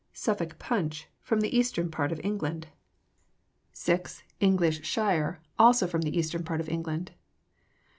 Suffolk Punch, from the eastern part of England. 6. English Shire, also from the eastern part of England.